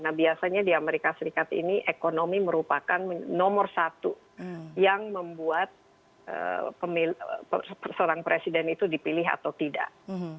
nah biasanya di amerika serikat ini ekonomi merupakan nomor satu yang membuat seorang presiden itu dipilih atau tidak